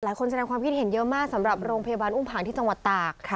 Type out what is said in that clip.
แสดงความคิดเห็นเยอะมากสำหรับโรงพยาบาลอุ้มผังที่จังหวัดตาก